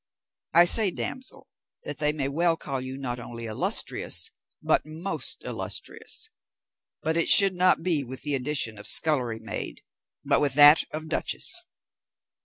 I say, damsel, that they may well call you not only illustrious, but most illustrious: but it should not be with the addition of scullery maid, but with that of duchess."